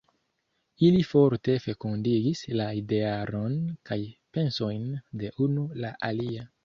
Ili forte fekundigis la idearon kaj pensojn de unu la alia.